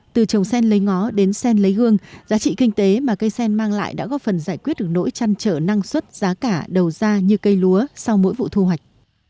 từ trồng sen lấy ngó đến sen lấy gương giá trị kinh tế mà cây sen mang lại đã góp phần giải quyết được nỗi chăn trở năng suất giá cả đầu ra như cây lúa sau mỗi vụ thu hoạch